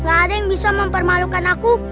gak ada yang bisa mempermalukan aku